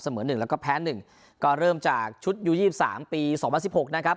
หนึ่งแล้วก็แพ้หนึ่งก็เริ่มจากชุดยูยี่สิบสามปีสองพันสิบหกนะครับ